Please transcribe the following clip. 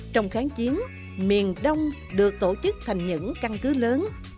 trong kháng chiến miền đông được tổ chức thành những căn cứ lớn